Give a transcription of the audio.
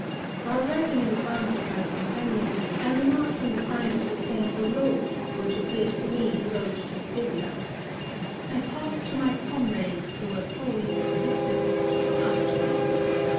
While riding in advance of my compan ions, I remarked on the side of the plain a road which appeared to me the road to Syria. I called to my comrades, who were following at a distance, to come up to me.